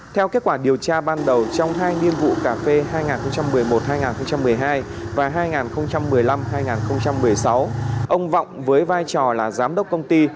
theo kết quả điều tra ban đầu trong hai niên vụ cà phê hai nghìn một mươi một hai nghìn một mươi hai và hai nghìn một mươi năm hai nghìn một mươi sáu ông vọng với vai trò là giám đốc công ty